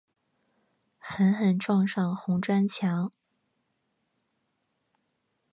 狠狠撞上红砖墙